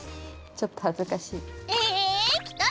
ちょっと恥ずかしいです。